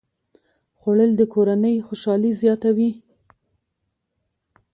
خوړل د کورنۍ خوشالي زیاته وي